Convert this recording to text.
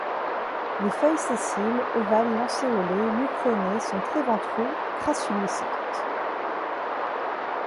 Les feuilles sessiles, ovales-lancéolées, mucronées, sont très ventrues, crassulescentes.